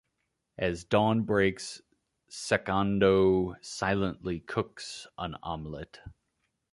As dawn breaks, Secondo silently cooks an omelette.